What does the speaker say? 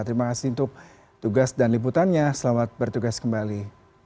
terima kasih untuk tugas dan liputannya selamat bertugas kembali